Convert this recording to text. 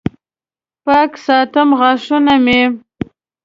پاک ساتم غاښونه مې